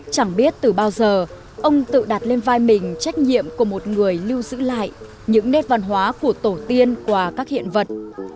chẳng biết từ bao giờ ông tự đặt lên vai mình trách nhiệm của một người lưu giữ lại những nét văn hóa của tổ tiên qua các hiện vật